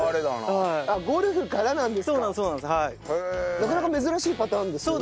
なかなか珍しいパターンですよね